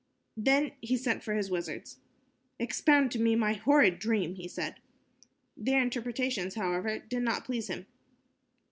Then he sent for his wizards. "Expound to me my horrid dream," he said. Their interpretations, however, did not please him.